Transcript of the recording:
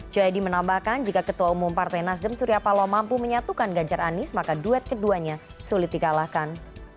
jayadi menambahkan jika ketua umum partai nasdem surya paloh mampu menyatukan ganjar anis maka duet keduanya sulit dikalahkan